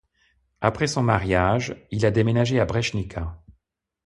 Après son mariage, il a déménagé à Brzeźnica.